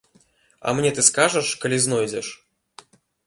А мне ты скажаш, калі знойдзеш?